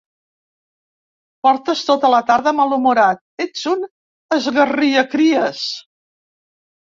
Portes tota la tarda malhumorat. Ets un esgarriacries!